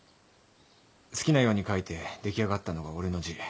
好きなように書いて出来上がったのが俺の字。